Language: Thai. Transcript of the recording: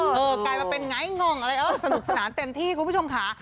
กลายมาเป็นไงง่องอะไรเออสนุกสนานเต็มที่คุณผู้ชมค่ะ